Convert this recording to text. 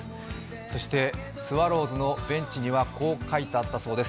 そして、スワローズのベンチにはこう書いてあったそうです。